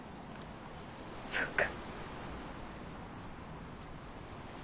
そっか。